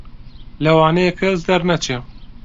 لەوانەیە کەس دەرنەچێ